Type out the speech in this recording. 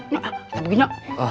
kita pergi nya